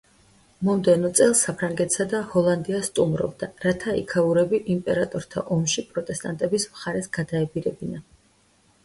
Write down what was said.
მომდევნო წელს საფრანგეთსა და ჰოლანდიას სტუმრობდა, რათა იქაურები იმპერატორთან ომში პროტესტანტების მხარეს გადაებირებინა.